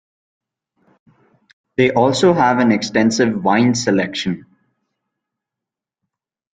They also have an extensive wine selection.